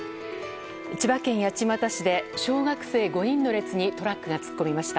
千葉県八街市で小学生５人の列にトラックが突っ込みました。